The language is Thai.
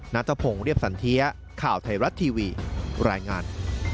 นัทพงศ์เรียบสันเทียข่าวไทยรัฐทีวีรายงาน